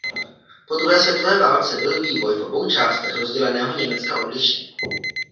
Po druhé světové válce byl vývoj v obou částech rozděleného Německa odlišný.